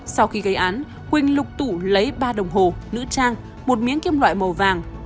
sau khi gây án quỳnh lục tụ lấy ba đồng hồ nữ trang một miếng kim loại màu vàng